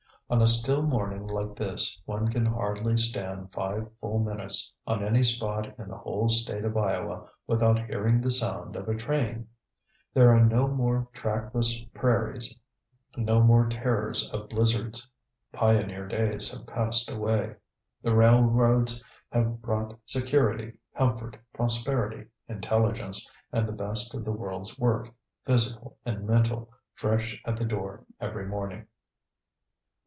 On a still morning like this one can hardly stand five full minutes on any spot in the whole state of Iowa without hearing the sound of a train. There are no more trackless prairies, no more terrors of blizzards. Pioneer days have passed away. The railroads have brought security, comfort, prosperity, intelligence, and the best of the world's work, physical and mental, fresh at the door every morning.